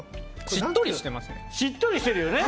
しっとりしてますね。